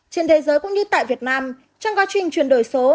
trên thế giới cũng như tại việt nam trong quá trình chuyển đổi số